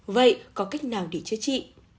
vậy có cách nào để chữa trị